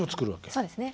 そうですね。